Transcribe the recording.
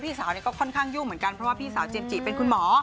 สาวก็ค่อนข้างยุ่งเหมือนกันเพราะว่าพี่สาวเจมสจิเป็นคุณหมอ